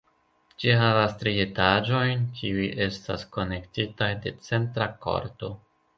Ĝi havas tri etaĝojn, kiuj estas konektitaj de centra korto.